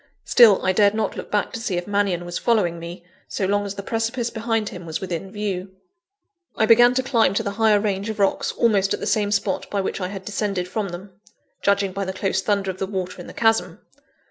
Still, I dared not look back to see if Mannion was following me, so long as the precipice behind him was within view. I began to climb to the higher range of rocks almost at the same spot by which I had descended from them judging by the close thunder of the water in the chasm.